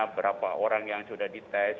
berapa orang yang sudah dites